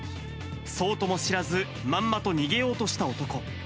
そうとも知らず、まんまと逃げようとした男。